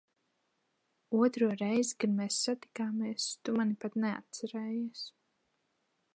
Otro reizi, kad mēs satikāmies, tu mani pat neatcerējies.